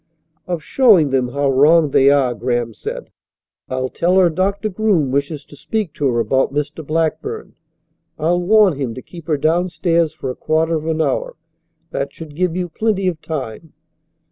"Of showing them how wrong they are," Graham said. "I'll tell her Doctor Groom wishes to speak to her about Mr. Blackburn. I'll warn him to keep her downstairs for a quarter of an hour. That should give you plenty of time."